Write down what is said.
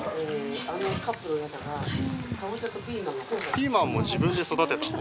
ピーマンも自分で育てたの？